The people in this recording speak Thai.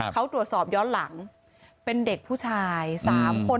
เขาตรวจสอบย้อนหลังเป็นเด็กผู้ชาย๓คน